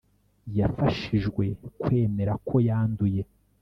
Yafashijwe kwemera ko yanduye